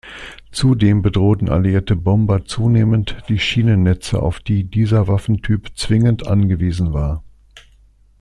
Zudem bedrohten alliierte Bomber zunehmend die Schienennetze, auf die dieser Waffentyp zwingend angewiesen war.